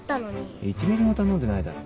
１ミリも頼んでないだろ。